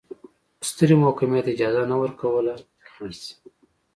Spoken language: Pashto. سترې محکمې ته اجازه نه ورکوله چې خنډ شي.